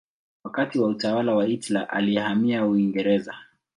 Wakati wa utawala wa Hitler alihamia Uingereza.